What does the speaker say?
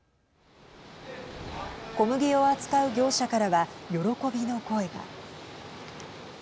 小麦を扱う業者からは喜びの声が。